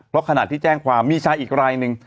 เพราะขณะที่แจ้งความมีชายอีกรายหนึ่ง